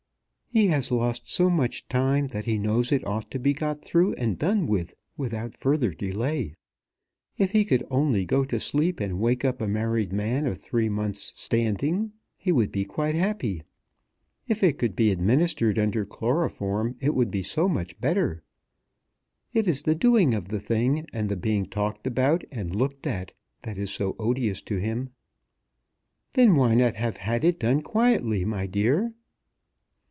"He has lost so much time that he knows it ought to be got through and done with without further delay. If he could only go to sleep and wake up a married man of three months' standing, he would be quite happy. If it could be administered under chloroform it would be so much better! It is the doing of the thing, and the being talked about and looked at, that is so odious to him." "Then why not have had it done quietly, my dear?"